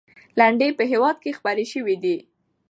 لنډۍ په هېواد کې خپرې سوي دي.